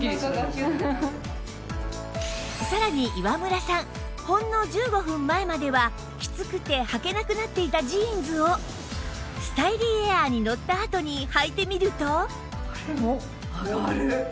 さらに岩村さんほんの１５分前まではきつくてはけなくなっていたジーンズをスタイリーエアーに乗ったあとにはいてみると